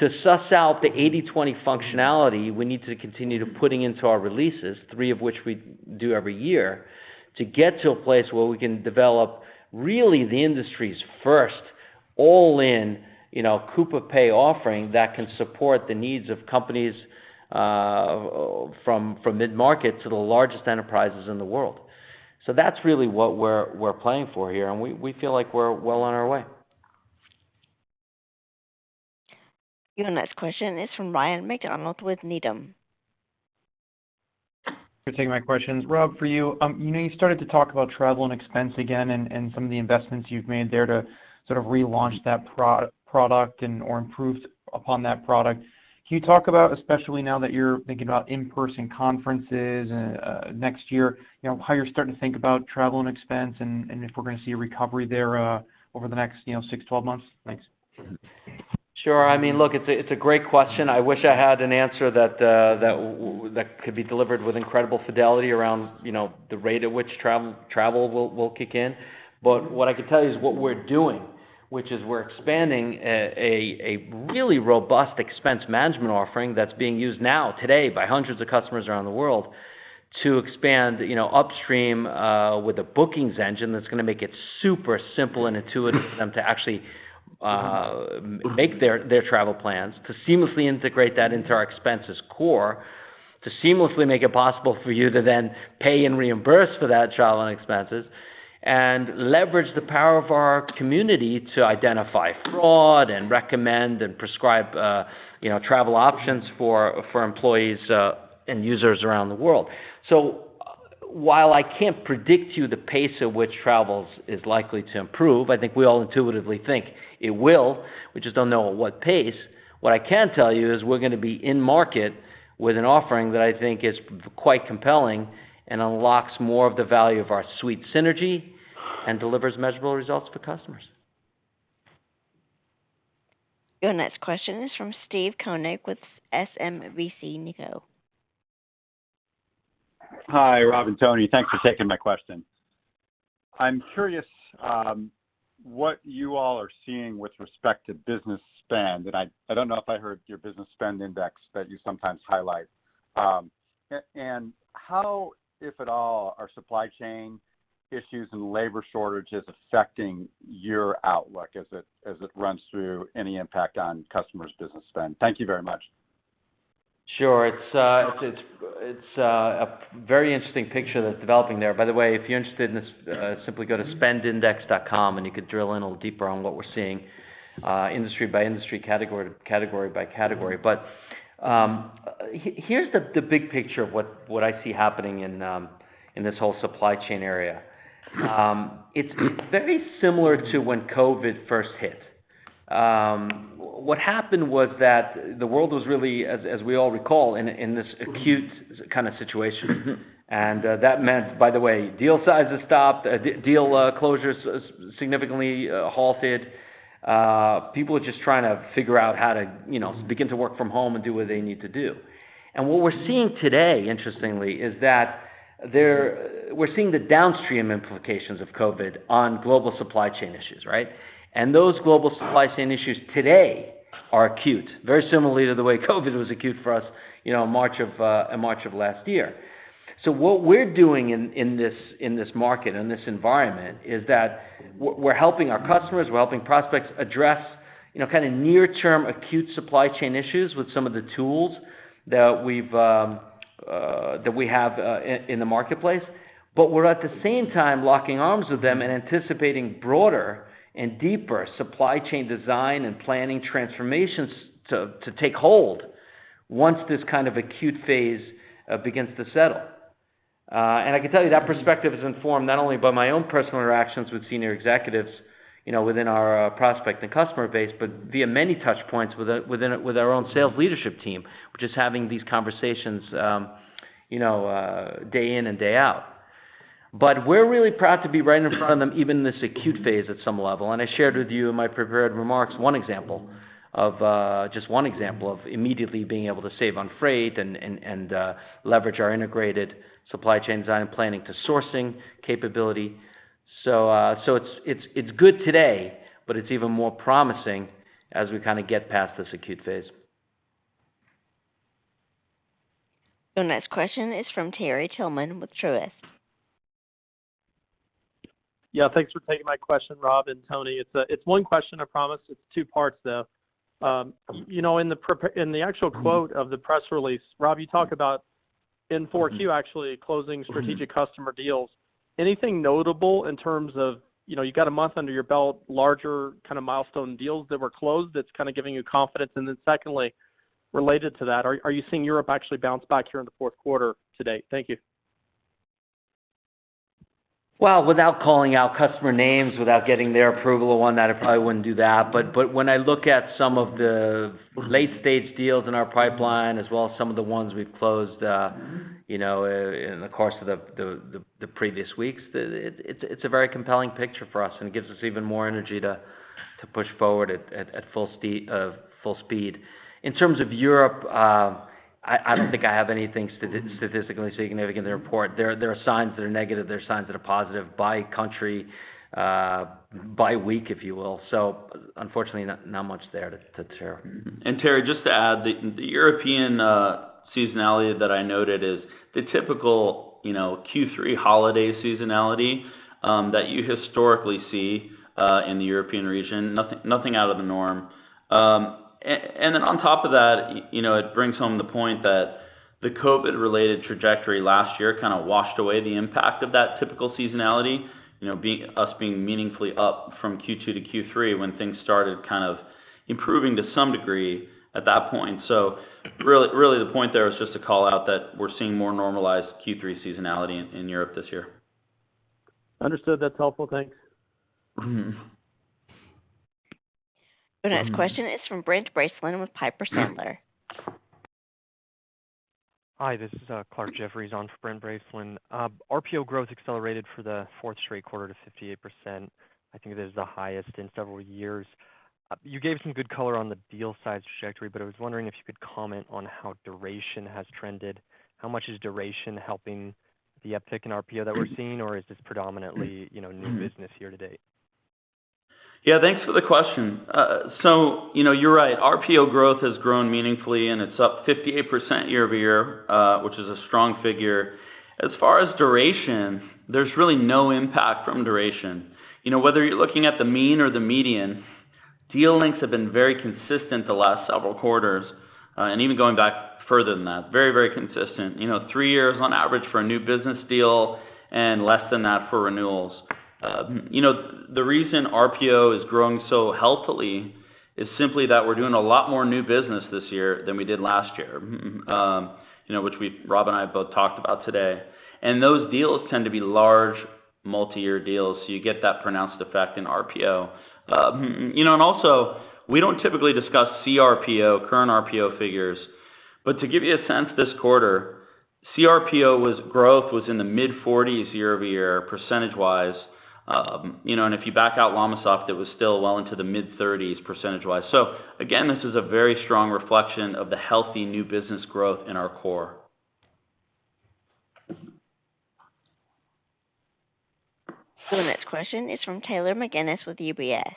to suss out the 80/20 functionality we need to continue to putting into our releases, three of which we do every year, to get to a place where we can develop really the industry's first all-in, you know, Coupa Pay offering that can support the needs of companies, from mid-market to the largest enterprises in the world. That's really what we're playing for here, and we feel like we're well on our way. Your next question is from Ryan MacDonald with Needham. ...For taking my questions. Rob, for you know you started to talk about travel and expense again and some of the investments you've made there to sort of relaunch that product and/or improve upon that product. Can you talk about, especially now that you're thinking about in-person conferences next year, you know, how you're starting to think about travel and expense and if we're gonna see a recovery there over the next, you know, six to 12 months? Thanks. Sure. I mean, look, it's a great question. I wish I had an answer that could be delivered with incredible fidelity around, you know, the rate at which travel will kick in. What I can tell you is what we're doing, which is we're expanding a really robust expense management offering that's being used now today by hundreds of customers around the world to expand, you know, upstream, with a bookings engine that's gonna make it super simple and intuitive for them to actually make their travel plans, to seamlessly integrate that into our expenses core, to seamlessly make it possible for you to then pay and reimburse for that travel and expenses, and leverage the power of our community to identify fraud and recommend and prescribe, you know, travel options for employees and users around the world. While I can't predict to you the pace at which travel is likely to improve, I think we all intuitively think it will, we just don't know at what pace. What I can tell you is we're gonna be in market with an offering that I think is quite compelling and unlocks more of the value of our Suite Synergy and delivers measurable results for customers. Your next question is from Steve Koenig with SMBC Nikko. Hi, Rob and Tony. Thanks for taking my question. I'm curious what you all are seeing with respect to business spend. I don't know if I heard your Business Spend Index that you sometimes highlight. How, if at all, are supply chain issues and labor shortages affecting your outlook as it runs through any impact on customers' business spend? Thank you very much. Sure. It's a very interesting picture that's developing there. By the way, if you're interested in this, simply go to spendindex.com, and you could drill in a little deeper on what we're seeing, industry by industry, category by category. Here's the big picture of what I see happening in this whole supply chain area. It's very similar to when COVID first hit. What happened was that the world was really, as we all recall, in this acute kind of situation. That meant, by the way, deal sizes stopped, deal closures significantly halted. People were just trying to figure out how to, you know, begin to work from home and do what they need to do. What we're seeing today, interestingly, is that we're seeing the downstream implications of COVID on global supply chain issues, right? Those global supply chain issues today are acute, very similarly to the way COVID was acute for us, you know, in March of last year. What we're doing in this market, in this environment, is that we're helping our customers, we're helping prospects address, you know, kind of near term acute supply chain issues with some of the tools that we have in the marketplace. We're at the same time locking arms with them and anticipating broader and deeper supply chain design and planning transformations to take hold once this kind of acute phase begins to settle. I can tell you that perspective is informed not only by my own personal interactions with senior executives, you know, within our prospect and customer base, but via many touch points with within with our own sales leadership team, which is having these conversations, you know, day in and day out. We're really proud to be right in front of them, even in this acute phase at some level. I shared with you in my prepared remarks one example of just one example of immediately being able to save on freight and leverage our integrated supply chain design and planning to sourcing capability. It's good today, but it's even more promising as we kinda get past this acute phase. The next question is from Terry Tillman with Truist. Yeah, thanks for taking my question, Rob and Tony. It's one question, I promise. It's two parts, though. You know, in the actual quote of the press release, Rob, you talk about in 4Q actually closing strategic customer deals. Anything notable in terms of, you know, you got a month under your belt, larger kind of milestone deals that were closed that's kind of giving you confidence? And then secondly, related to that, are you seeing Europe actually bounce back here in the fourth quarter to date? Thank you. Well, without calling out customer names, without getting their approval on that, I probably wouldn't do that. When I look at some of the late-stage deals in our pipeline as well as some of the ones we've closed, you know, in the course of the previous weeks, it's a very compelling picture for us and gives us even more energy to push forward at full speed. In terms of Europe, I don't think I have anything statistically significant to report. There are signs that are negative, there are signs that are positive by country, by week, if you will. Unfortunately, not much there to share. Terry, just to add, the European seasonality that I noted is the typical, you know, Q3 holiday seasonality that you historically see in the European region. Nothing out of the norm. Then on top of that, you know, it brings home the point that the COVID-related trajectory last year kind of washed away the impact of that typical seasonality, you know, us being meaningfully up from Q2 to Q3 when things started kind of improving to some degree at that point. Really the point there is just to call out that we're seeing more normalized Q3 seasonality in Europe this year. Understood. That's helpful. Thanks. The next question is from Brent Bracelin with Piper Sandler. Hi, this is Clarke Jeffries on for Brent Bracelin. RPO growth accelerated for the fourth straight quarter to 58%. I think it is the highest in several years. You gave some good color on the deal size trajectory, but I was wondering if you could comment on how duration has trended. How much is duration helping the uptick in RPO that we're seeing, or is this predominantly, you know, new business year-to-date? Yeah, thanks for the question. So you know, you're right. RPO growth has grown meaningfully, and it's up 58% year-over-year, which is a strong figure. As far as duration, there's really no impact from duration. You know, whether you're looking at the mean or the median, deal lengths have been very consistent the last several quarters, and even going back further than that. Very consistent. You know, three years on average for a new business deal and less than that for renewals. You know, the reason RPO is growing so healthily is simply that we're doing a lot more new business this year than we did last year. You know, which Rob and I both talked about today. Those deals tend to be large multiyear deals, so you get that pronounced effect in RPO. You know, also we don't typically discuss CRPO, current RPO figures. To give you a sense this quarter, CRPO growth was in the mid-40s% year-over-year. You know, if you back out LLamasoft, it was still well into the mid-30s%. Again, this is a very strong reflection of the healthy new business growth in our core. The next question is from Taylor McGinnis with UBS.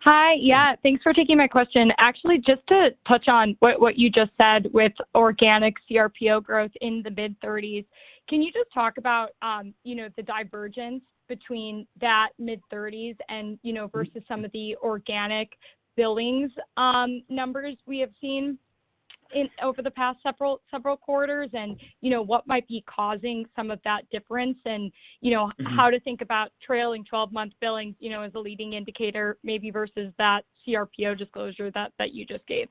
Hi. Yeah, thanks for taking my question. Actually, just to touch on what you just said with organic CRPO growth in the mid-30s%, can you just talk about, you know, the divergence between that mid-30s% and, you know, versus some of the organic billings numbers we have seen over the past several quarters and, you know, what might be causing some of that difference? You know, how to think about trailing 12-month billings, you know, as a leading indicator maybe versus that CRPO disclosure that you just gave.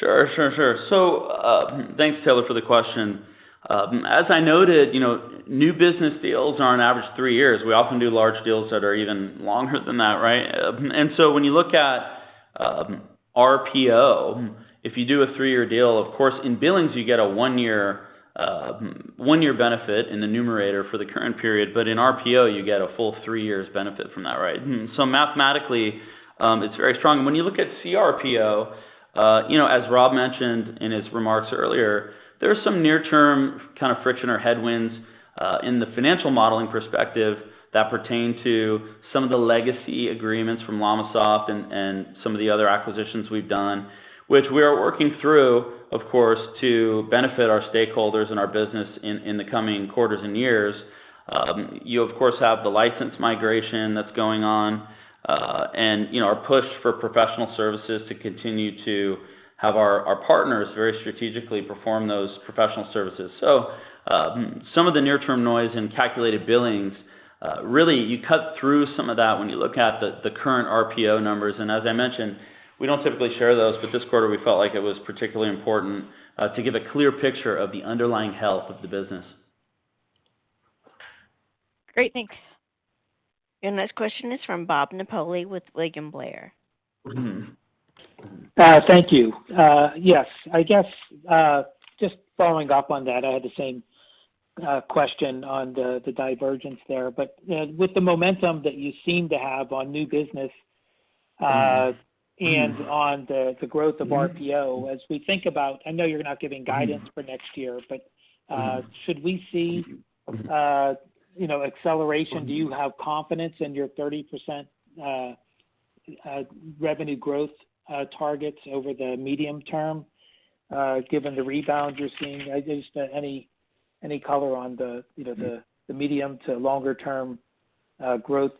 Sure. Thanks, Taylor, for the question. As I noted, you know, new business deals are on average three years. We often do large deals that are even longer than that, right? When you look at RPO, if you do a three-year deal, of course, in billings you get a one-year benefit in the numerator for the current period, but in RPO you get a full three years benefit from that, right? Mathematically, it's very strong. When you look at CRPO, you know, as Rob mentioned in his remarks earlier, there's some near-term kind of friction or headwinds in the financial modeling perspective that pertain to some of the legacy agreements from LLamasoft and some of the other acquisitions we've done, which we are working through of course, to benefit our stakeholders and our business in the coming quarters and years. You of course have the license migration that's going on, and you know, our push for professional services to continue to have our partners very strategically perform those professional services. Some of the near-term noise in calculated billings really you cut through some of that when you look at the current RPO numbers. As I mentioned, we don't typically share those, but this quarter we felt like it was particularly important to give a clear picture of the underlying health of the business. Great. Thanks. Your next question is from Bob Napoli with William Blair. Thank you. Yes, I guess just following up on that, I had the same question on the divergence there. With the momentum that you seem to have on new business and on the growth of RPO, as we think about. I know you're not giving guidance for next year, but should we see, you know, acceleration? Do you have confidence in your 30% revenue growth targets over the medium term, given the rebound you're seeing? I guess any color on the, you know, the medium to longer term growth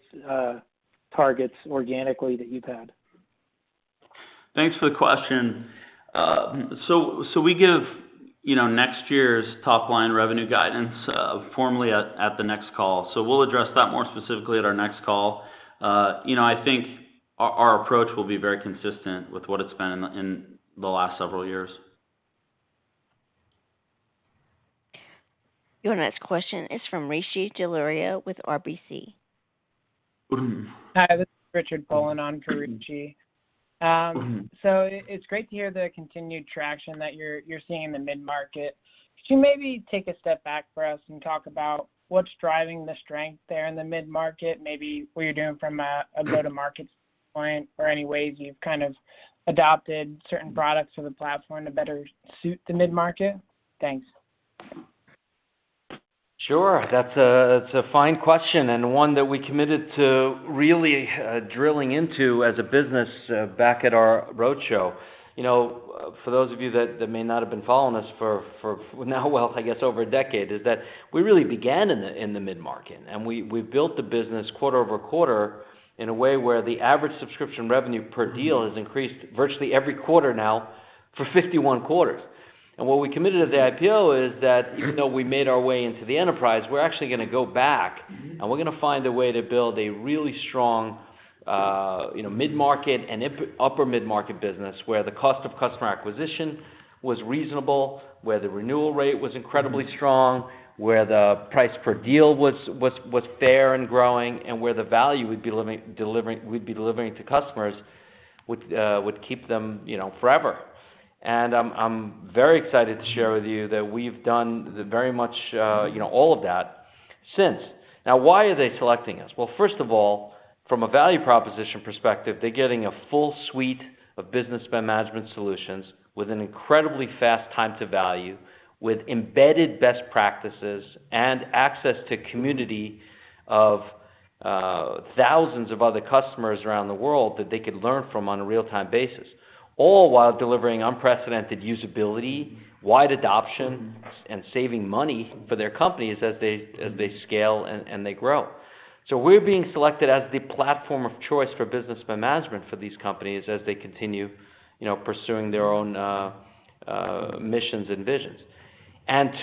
targets organically that you've had. Thanks for the question. We give, you know, next year's top line revenue guidance, formally at the next call. We'll address that more specifically at our next call. You know, I think our approach will be very consistent with what it's been in the last several years. Your next question is from Rishi Jaluria with RBC. Hi, this is Richard calling in for Rishi. It's great to hear the continued traction that you're seeing in the mid-market. Could you maybe take a step back for us and talk about what's driving the strength there in the mid-market, maybe what you're doing from a go-to-market point or any ways you've kind of adopted certain products or the platform to better suit the mid-market? Thanks. Sure. That's a fine question and one that we committed to really drilling into as a business back at our roadshow. You know, for those of you that may not have been following us for now, well, I guess over a decade, is that we really began in the mid-market, and we built the business quarter over quarter in a way where the average subscription revenue per deal has increased virtually every quarter now for 51 quarters. What we committed at the IPO is that even though we made our way into the enterprise, we're actually gonna go back, and we're gonna find a way to build a really strong, you know, mid-market and upper mid-market business, where the cost of customer acquisition was reasonable, where the renewal rate was incredibly strong, where the price per deal was fair and growing, and where the value we'd be delivering to customers would keep them, you know, forever. I'm very excited to share with you that we've done that very much all of that since. Now, why are they selecting us? Well, first of all, from a value proposition perspective, they're getting a full suite of business spend management solutions with an incredibly fast time to value, with embedded best practices and access to community of thousands of other customers around the world that they could learn from on a real-time basis, all while delivering unprecedented usability, wide adoption, and saving money for their companies as they scale and they grow. We're being selected as the platform of choice for business spend management for these companies as they continue, you know, pursuing their own missions and visions.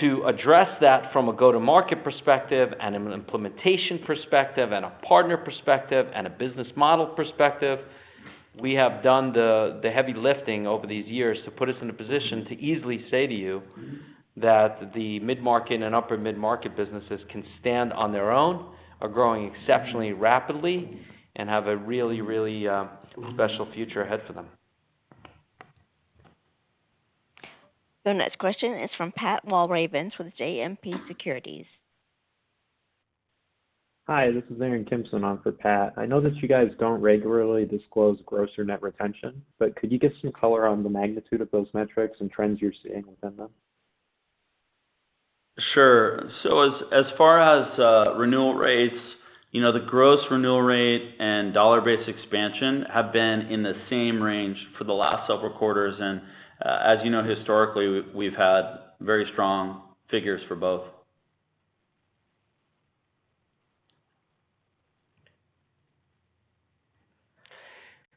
To address that from a go-to-market perspective and an implementation perspective and a partner perspective and a business model perspective, we have done the heavy lifting over these years to put us in a position to easily say to you that the mid-market and upper mid-market businesses can stand on their own, are growing exceptionally rapidly, and have a really special future ahead for them. The next question is from Pat Walravens with JMP Securities. Hi, this is Aaron Kimson on for Pat. I know that you guys don't regularly disclose gross or net retention, but could you give some color on the magnitude of those metrics and trends you're seeing within them? Sure. As far as renewal rates, you know, the gross renewal rate and dollar-based expansion have been in the same range for the last several quarters. As you know, historically, we've had very strong figures for both.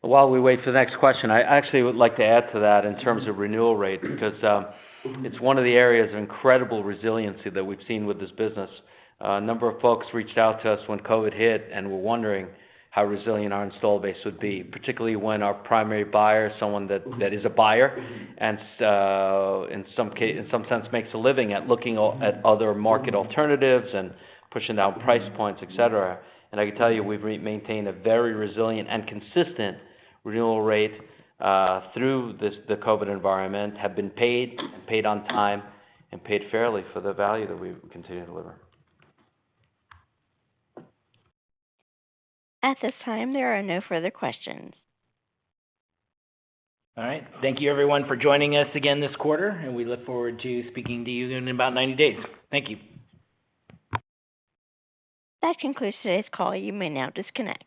While we wait for the next question, I actually would like to add to that in terms of renewal rate, because it's one of the areas of incredible resiliency that we've seen with this business. A number of folks reached out to us when COVID hit and were wondering how resilient our install base would be, particularly when our primary buyer, someone that is a buyer, and in some sense, makes a living at looking at other market alternatives and pushing down price points, et cetera. I can tell you, we've maintained a very resilient and consistent renewal rate through this, the COVID environment, have been paid on time, and paid fairly for the value that we continue to deliver. At this time, there are no further questions. All right. Thank you everyone for joining us again this quarter, and we look forward to speaking to you again in about 90 days. Thank you. That concludes today's call. You may now disconnect.